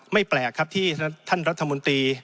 แปลกครับที่ท่านรัฐมนตรี